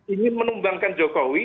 ingin menumbangkan jokowi